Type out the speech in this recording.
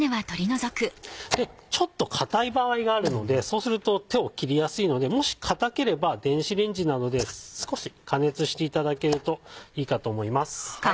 ちょっと硬い場合があるのでそうすると手を切りやすいのでもし硬ければ電子レンジなどで少し加熱していただけるといいかと思います。